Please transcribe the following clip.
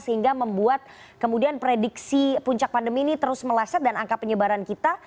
sehingga membuat kemudian prediksi puncak pandemi ini terus meleset dan angka penyebaran kita